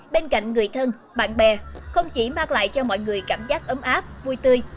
bên cạnh người thân bạn bè không chỉ mang lại cho mọi người cảm giác ấm áp vui tươi